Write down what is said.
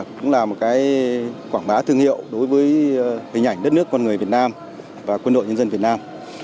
cũng là một cái quảng bá thương hiệu đối với hình ảnh đất nước con người việt nam và quân đội nhân dân việt nam